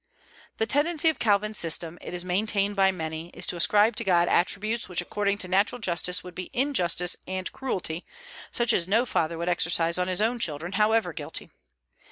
The tendency of Calvin's system, it is maintained by many, is to ascribe to God attributes which according to natural justice would be injustice and cruelty, such as no father would exercise on his own children, however guilty.